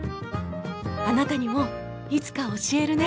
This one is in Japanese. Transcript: あなたにもいつか教えるね。